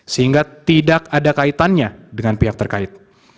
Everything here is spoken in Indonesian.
sehingga tidak ada kaitannya dengan pihak terkait